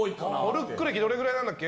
モルック歴どれぐらいなんだっけ？